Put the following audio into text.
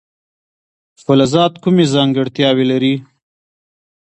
فلزات کومې ځانګړتیاوې لري.